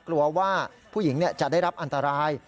กลัวว่าผู้หญิงจะได้รับอันตราย